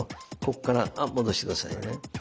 ここからあ戻してくださいね。